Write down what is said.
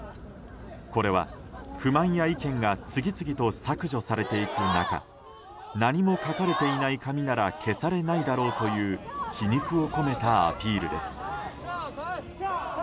これは不満や意見が次々と削除されていく中何も書かれていない紙なら消されないだろうという皮肉を込めたアピールです。